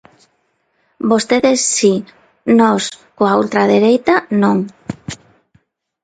Vostedes si; nós, coa ultradereita, non.